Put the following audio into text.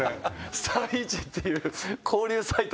スター・ビーチっていう交流サイト。